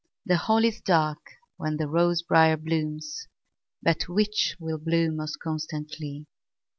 The holly is dark when the rose briar blooms, But which will bloom most constantly?